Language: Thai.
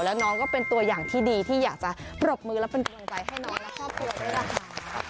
แล้วน้องก็เป็นตัวอย่างที่ดีที่อยากจะปรบมือและเป็นกำลังใจให้น้องและครอบครัวด้วยนะคะ